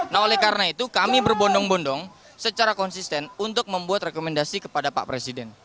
nah oleh karena itu kami berbondong bondong secara konsisten untuk membuat rekomendasi kepada pak presiden